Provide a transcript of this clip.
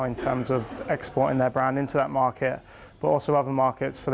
ในอนาคต